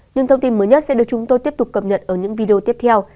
những thông tin mới nhất sẽ được chúng tôi tiếp tục cập nhật ở những video tiếp theo